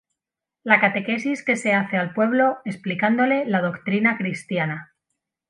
La catequesis que se hace al pueblo explicándole la doctrina cristiana.